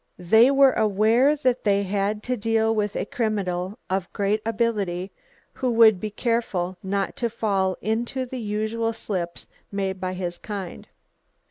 They were aware that they had to deal with a criminal of great ability who would be careful not to fall into the usual slips made by his kind.